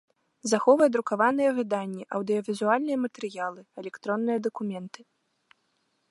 Захоўвае друкаваныя выданні, аўдыёвізуальныя матэрыялы, электронныя дакументы.